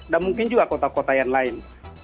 dan mungkin juga kota kota yang lain